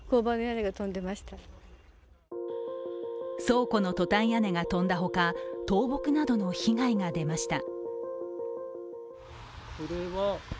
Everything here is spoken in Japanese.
倉庫のトタン屋根が飛んだほか、倒木などの被害が出ました。